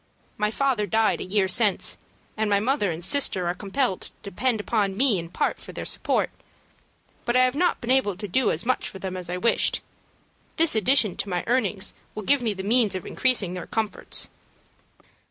My father died a year since, and my mother and sister are compelled to depend upon me in part for support. But I have not been able to do as much for them as I wished. This addition to my earnings will give me the means of increasing their comforts."